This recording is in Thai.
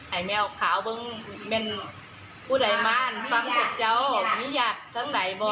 ไอ้แม่ขาวบึงเป็นอุดไอม่านฟังฝุกเจ้ามิหยาดทั้งหลายบอร์น